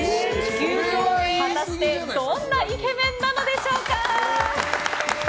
果たしてどんなイケメンなのでしょうか。